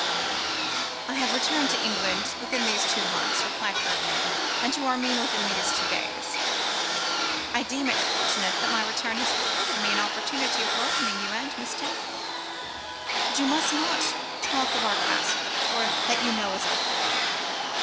'I have returned to England within these two months,' replied Ferdinand, 'and to Armine within these two days. I deem it fortunate that my return has afforded me an opportunity of welcoming you and Miss Temple. But you must not talk of our castle, for that you know is our folly.